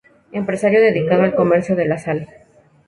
Empresario dedicado al comercio de la sal.